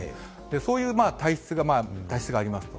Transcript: そういう体質がありますと。